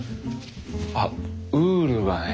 あっウールはね